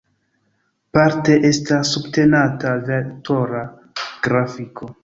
Parte estas subtenata vektora grafiko.